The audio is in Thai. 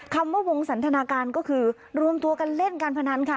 คำว่าวงสันทนาการก็คือรวมตัวกันเล่นการพนันค่ะ